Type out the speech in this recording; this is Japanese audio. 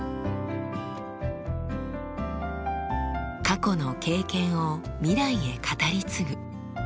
過去の経験を未来へ語り継ぐ。